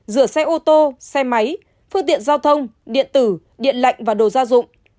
rửa xe ô tô xe máy phương tiện giao thông điện tử điện lạnh và đồ gia dụng